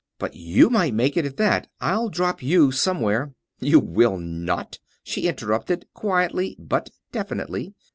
But you might make it, at that. I'll drop you somewhere...." "You will not," she interrupted, quietly but definitely.